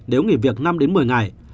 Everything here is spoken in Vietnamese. nếu nghỉ việc năm đến một mươi ngày